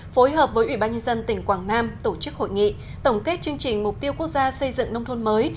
phối hợp với ủy ban nhân dân tỉnh quảng nam tổ chức hội nghị tổng kết chương trình mục tiêu quốc gia xây dựng nông thôn mới